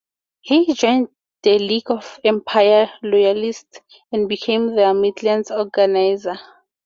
He joined the League of Empire Loyalists and became their Midlands organiser.